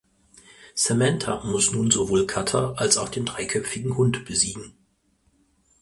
Samantha muss nun sowohl Cutter als auch den dreiköpfigen Hund besiegen.